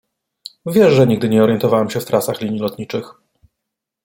Wiesz, że nigdy nie orientowałem się w trasach linii lotniczych.